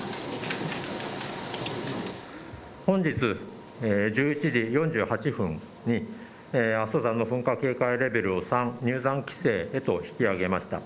本日１１時４８分に阿蘇山の噴火警戒レベルを３、入山規制へと引き上げました。